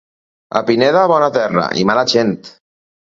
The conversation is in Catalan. A Pineda, bona terra... i mala gent.